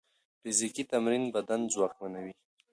فزیکي تمرین بدن ځواکمنوي.